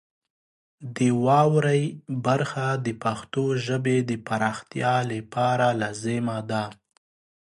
د واورئ برخه د پښتو ژبې د پراختیا لپاره لازمه ده.